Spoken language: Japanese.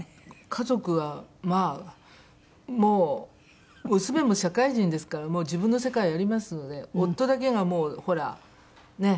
家族はまあもう娘も社会人ですから自分の世界ありますので夫だけがもうほらねっ。